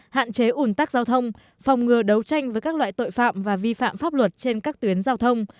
hạn chế ủn tắc giao thông phòng ngừa đấu tranh với các loại tội phạm và vi phạm pháp luật trên các tuyến giao thông